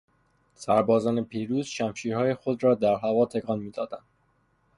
سربازان پیروز، شمشیرهای خود را در هوا تکان میدادند.